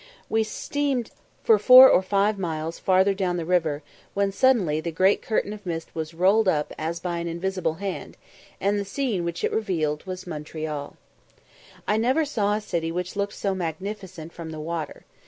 We steamed for four or five miles farther down the river, when suddenly the great curtain of mist was rolled up as by an invisible hand, and the scene which it revealed was Montreal. I never saw a city which looked so magnificent from the water.